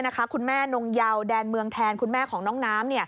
คุณแม่นงเยาแดนเมืองแทนคุณแม่ของน้องน้ำ